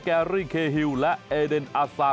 แกรริเคี่ลและเอเดนออัทซาร์